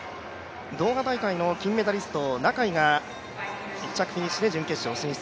ドーハ大会の金メダリスト、ナカイが１着フィニッシュで準決勝進出。